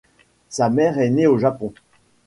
Sa mère est née au Japon.